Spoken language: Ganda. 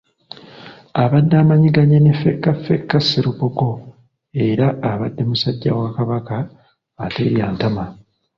Abadde amanyiganye ne Ffeffekka Sserubogo era abadde musajja wa Kabaka ateerya ntama.